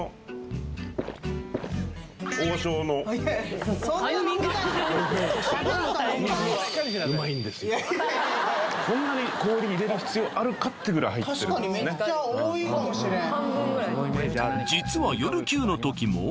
喋るか飲むかこんなに氷入れる必要あるかってぐらい入ってる確かにめっちゃ多いかもしれん